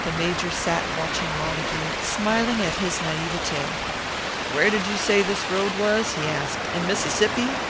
The Major sat watching Montague, smiling at his naivete. "Where did you say this road was?" he asked. "In Mississippi?"